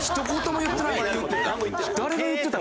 誰が言ってた？